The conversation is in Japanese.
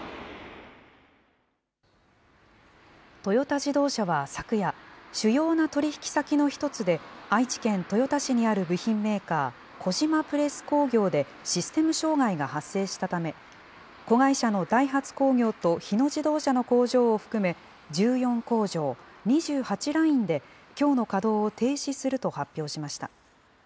トヨタ自動車は昨夜、主要な取り引き先の一つで愛知県豊田市にある部品メーカー、小島プレス工業で、システム障害が発生したため、子会社のダイハツ工業と日野自動車の工場を含め、１４工場２８ラインできょうの稼働を停止すると発表しました。